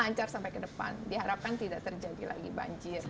harusnya kita bisa sampai ke depan diharapkan tidak terjadi lagi banjir